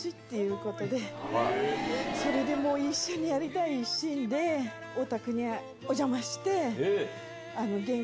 一緒にやりたい一心でお宅にお邪魔して。